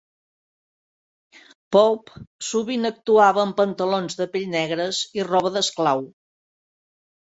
Pope sovint actuava en pantalons de pell negres i roba d'esclau.